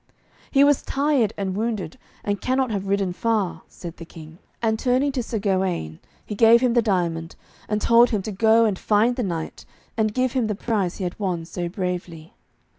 'He was tired and wounded, and cannot have ridden far,' said the King. And turning to Sir Gawaine, he gave him the diamond, and told him to go and find the knight and give him the prize he had won so bravely.